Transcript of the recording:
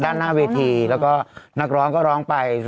ด้านหน้าเวทีแล้วก็นักร้องก็ร้องไป